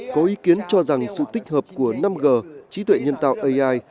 có ý kiến cho rằng sự tích hợp của năm g trí tuệ nhân tạo ai